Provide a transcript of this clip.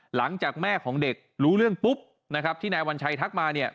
หลังจากแม่ของเด็กรู้เรื่องปุ๊บนะครับที่นายวัญชัยทักมาเนี่ย